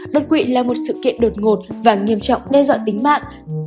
đột quỵ là một sự kiện đột ngột và nghiêm trọng đe dọa tính mạng